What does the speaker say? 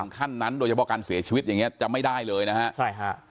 ขั้นนั้นโดยเฉพาะการเสียชีวิตอย่างเงี้จะไม่ได้เลยนะฮะใช่ฮะ